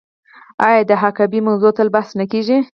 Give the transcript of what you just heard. آیا د حقابې موضوع تل بحث نه کیږي؟